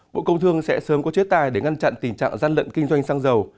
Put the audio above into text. bộ công thương sẽ sớm có chế tài để ngăn chặn tình trạng gian lận kinh doanh xăng dầu